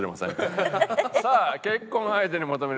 さあ結婚相手に求める条件。